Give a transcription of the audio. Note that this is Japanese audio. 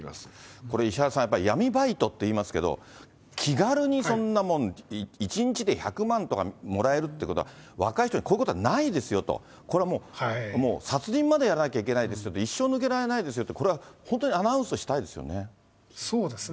これ石原さん、やっぱり闇バイトっていいますけど、気軽にそんなもん、１日で１００万とかもらえるってことは、若い人に、こういうことはないですよと、これはもう、もう殺人までやらないといけないですよ、一生抜けられないですよって、これは本当にアナウンスしたいですよね。